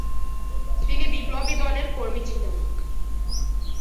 তিনি বিপ্লবী দলের কর্মী ছিলেন।